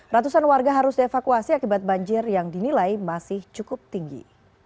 ratusan warga harus dievakuasi akibat banjir yang dinilai masih cukup tinggi